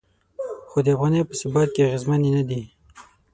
خو د افغانۍ په ثبات کې اغیزمنې نه دي.